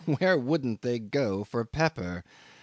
Where wouldn't they go for pepper!